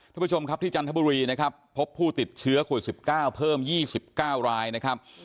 ทุกผู้ชมครับที่จันทบุรีนะครับพบผู้ติดเชื้อโควิด๑๙เพิ่ม๒๙รายนะครับ